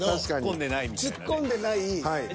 ツッコんでない。